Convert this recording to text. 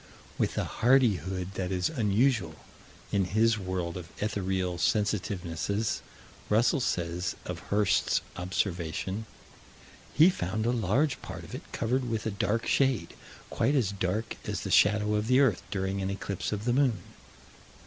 With a hardihood that is unusual in his world of ethereal sensitivenesses, Russell says, of Hirst's observation: "He found a large part of it covered with a dark shade, quite as dark as the shadow of the earth during an eclipse of the moon."